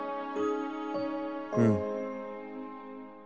『うん。